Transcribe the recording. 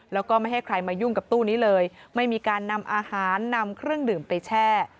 แล้วก็ไม่ให้ใครมายุ่งกับตู้นี้เลยไม่มีการนำอาหารนำเครื่องดื่มไปแช่